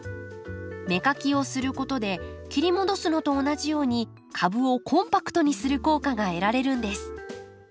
芽かきをすることで切り戻すのと同じように株をコンパクトにする効果が得られるんです。